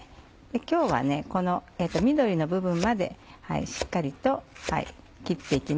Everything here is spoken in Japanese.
今日はこの緑の部分までしっかりと切って行きます。